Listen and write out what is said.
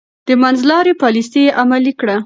د منځلارۍ پاليسي يې عملي کړه.